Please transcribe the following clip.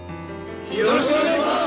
よろしくお願いします！